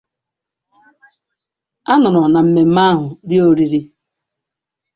A nọrọ na mmemme ahụ rie oriri